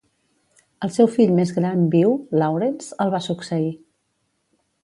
El seu fill més gran viu, Lawrence, el va succeir.